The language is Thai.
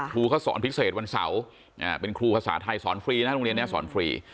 ครูเขาสอนพิเศษวันเสาร์เป็นครูภาษาไทยสอนฟรีนะโรงเรียนนี้สอนฟรี